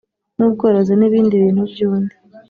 n ubworozi n ibindi bintu by undi